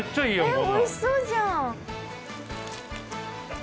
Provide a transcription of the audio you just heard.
おいしそうじゃん！